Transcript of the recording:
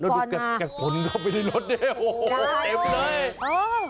ก็ดูแก่คนเข้าไปในรถเนี่ยเจ็บเลย